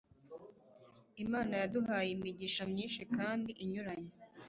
Imana yaduhaye imigisha myinshi kandi inyuranye,